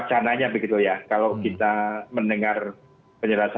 saya bisa kasih informasi felekan felekan dari pemerintah